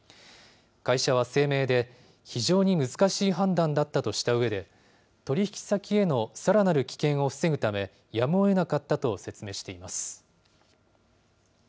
会社は声明で、非常に難しい判断だったとしたうえで、取り引き先へのさらなる危険を防ぐため、やむをえなかったと説明しています。